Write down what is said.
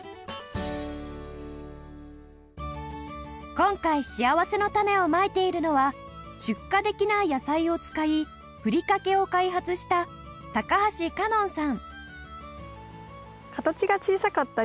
今回しあわせのたねをまいているのは出荷できない野菜を使いふりかけを開発した高橋かのんさん